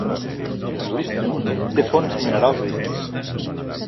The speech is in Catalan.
Linfen té fonts minerals riques, com ara carbó, mena de ferro i plom.